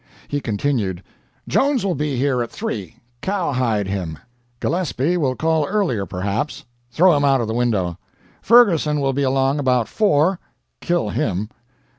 He continued, "Jones will be here at three cowhide him. Gillespie will call earlier, perhaps throw him out of the window. Ferguson will be along about four kill him.